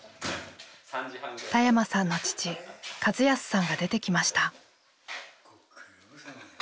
田山さんの父和康さんが出てきました。